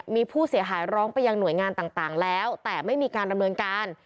มีผู้เสียหายร้องไปยังหน่วยงานต่างแล้วแต่ไม่มีการดำเนินการ